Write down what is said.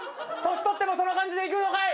年取ってもその感じでいくのかい！